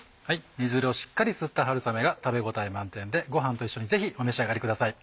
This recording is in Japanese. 煮汁をしっかり吸った春雨が食べ応え満点でご飯と一緒にぜひお召し上がりください。